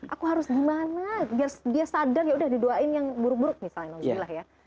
aku harus gimana biar dia sadar ya sudah didoain yang buruk buruk misalnya